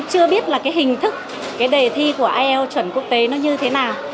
chưa biết là cái hình thức cái đề thi của ielts chuẩn quốc tế nó như thế nào